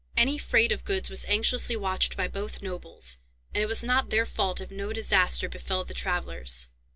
Any freight of goods was anxiously watched by both nobles, and it was not their fault if no disaster befell the travellers.